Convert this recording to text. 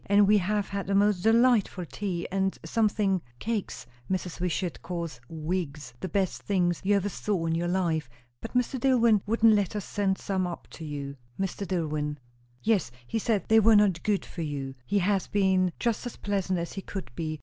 And we have had the most delightful tea, and something cakes Mrs. Wishart calls wigs, the best things you ever saw in your life; but Mr. Dillwyn wouldn't let us send some up to you." "Mr. Dillwyn!" "Yes, he said they were not good for you. He has been just as pleasant as he could be.